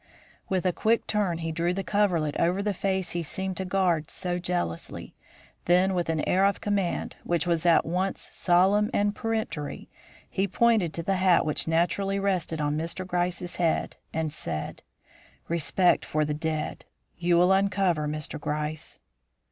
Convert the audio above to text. With a quick turn he drew the coverlet over the face he seemed to guard so jealously, then with an air of command, which was at once solemn and peremptory, he pointed to the hat which naturally rested on Mr. Gryce's head, and said: "Respect for the dead! You will uncover, Mr. Gryce."